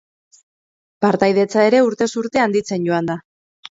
Partaidetza ere urtez urte handitzen joan da.